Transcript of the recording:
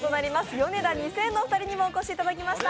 ヨネダ２０００のお二人にもお越しいただきました。